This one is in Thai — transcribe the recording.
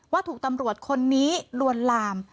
ว่าถูกตำรวจคนนี้ลวนลาม